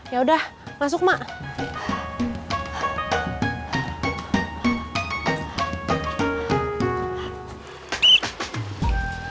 yaudah masuk emak